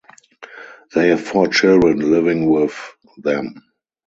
They have four children living with them.